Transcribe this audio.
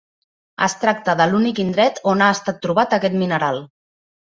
Es tracta de l'únic indret on ha estat trobat aquest mineral.